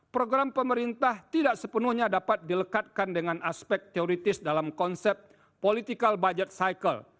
program pemerintah tidak sepenuhnya dapat dilekatkan dengan aspek teoritis dalam konsep political budget cycle